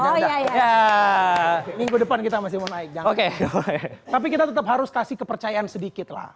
ada ya minggu depan kita masih mau naik oke tapi kita tetap harus kasih kepercayaan sedikitlah